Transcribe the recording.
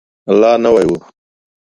لا نوی و.